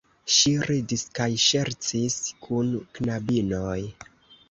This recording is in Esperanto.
Ŝi ridis kaj ŝercis kun knabinoj.